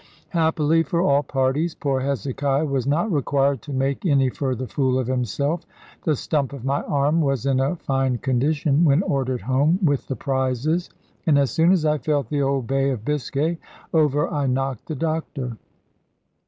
Happily for all parties, poor Hezekiah was not required to make any further fool of himself. The stump of my arm was in a fine condition when ordered home with the prizes; and as soon as I felt the old Bay of Biscay, over I knocked the doctor.